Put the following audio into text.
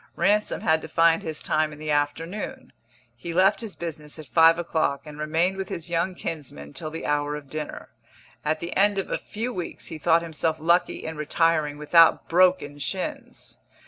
Ransom had to find his time in the afternoon; he left his business at five o'clock and remained with his young kinsman till the hour of dinner. At the end of a few weeks he thought himself lucky in retiring without broken shins.